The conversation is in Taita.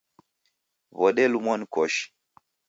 Wodelumwa ni koshi